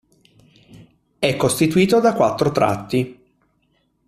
È costituito da quattro tratti.